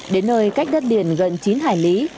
đến nơi cách đất biển gần chín hải lý